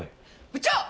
部長！